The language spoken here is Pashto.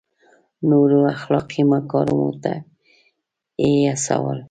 نورو اخلاقي مکارمو ته یې هڅول.